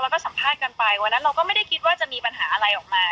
แล้วก็สัมภาษณ์กันไปวันนั้นเราก็ไม่ได้คิดว่าจะมีปัญหาอะไรออกมา